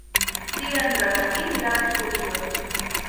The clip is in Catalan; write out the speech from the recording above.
Divendres en Guim irà d'excursió.